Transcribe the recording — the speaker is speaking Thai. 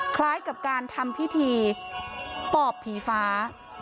คล้ายกับการทำพิธีปอบผีฟ้า